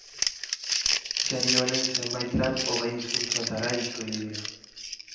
Serie honen zenbait lan hogei hizkuntzatara itzuli dira.